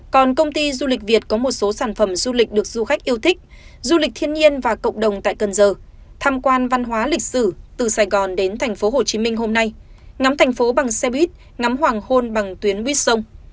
còn công ty du lịch việt có một số sản phẩm du lịch được du khách yêu thích du lịch thiên nhiên và cộng đồng tại cần giờ tham quan văn hóa lịch sử từ sài gòn đến tp hcm hôm nay ngắm thành phố bằng xe buýt ngắm hoàng hôn bằng tuyến buýt sông